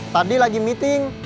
tadi lagi meeting